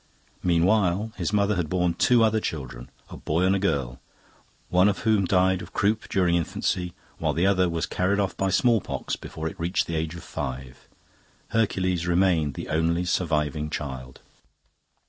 Meanwhile, his mother had borne two other children, a boy and a girl, one of whom died of croup during infancy, while the other was carried off by smallpox before it reached the age of five. Hercules remained the only surviving child.